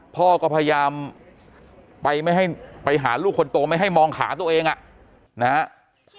พ่อก็พยายามไปไม่ให้ไปหาลูกคนโตไม่ให้มองขาตัวเองอ่ะนะฮะ